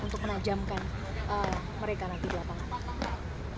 untuk menajamkan mereka nanti di lapangan